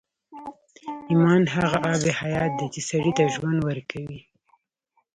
ايمان هغه آب حيات دی چې سړي ته ژوند ورکوي.